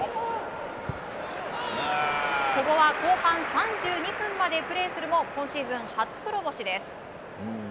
久保は後半３２分までプレーするも今シーズン、初黒星です。